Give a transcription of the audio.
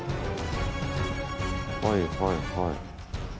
はいはいはい。